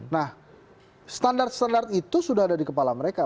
nah standar standar itu sudah ada di kepala mereka